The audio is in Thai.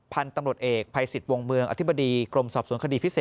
พันธุ์ตำรวจเอกภัยสิทธิ์วงเมืองอธิบดีกรมสอบสวนคดีพิเศษ